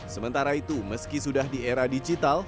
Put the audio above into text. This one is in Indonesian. sementara itu meski sudah di era digital